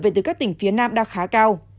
về từ các tỉnh phía nam đang khá cao